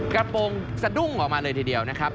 กระโปรงสะดุ้งออกมาเลยทีเดียวนะครับ